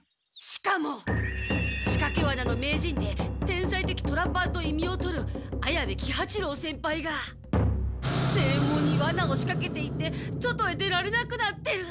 しかもしかけワナの名人で天才的トラパーと異名をとる綾部喜八郎先輩が正門にワナをしかけていて外へ出られなくなってる。